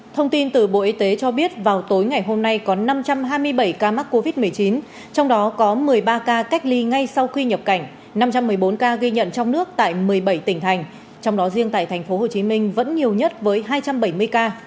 thông tin từ bộ y tế cho biết vào tối ngày hôm nay có năm trăm hai mươi bảy ca mắc covid một mươi chín trong đó có một mươi ba ca cách ly ngay sau khi nhập cảnh năm trăm một mươi bốn ca ghi nhận trong nước tại một mươi bảy tỉnh thành trong đó riêng tại tp hcm vẫn nhiều nhất với hai trăm bảy mươi ca